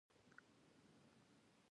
څه کوې؟